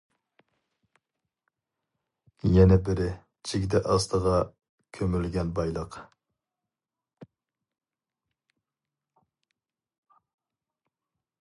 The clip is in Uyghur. يەنە بىرى جىگدە ئاستىغا كۆمۈلگەن بايلىق.